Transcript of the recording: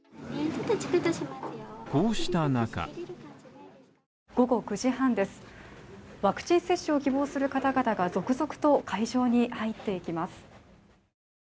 こうした中午後９時半です、ワクチン接種を希望する方々が続々と会場に入っていきます。